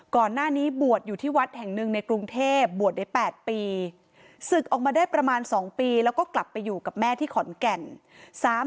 ก่อนหน้านี้บวชอยู่ที่วัดแห่งหนึ่งในกรุงเทพบวชได้๘ปีศึกออกมาได้ประมาณ๒ปีแล้วก็กลับไปอยู่กับแม่ที่ขอนแก่น